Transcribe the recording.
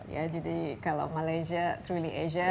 ya jadi kalau malaysia trilly asia